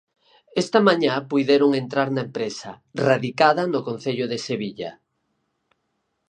Esta mañá puideron entran na empresa, radicada no concello de Sevilla.